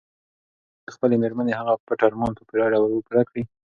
ایا سړی به د خپلې مېرمنې هغه پټ ارمان په پوره ډول پوره کړي؟